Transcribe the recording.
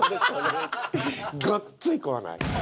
ごっつい怖ない？